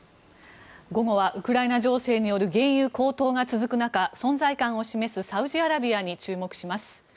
午後はウクライナ情勢による原油高騰が続く中存在感を示すサウジアラビアに注目します。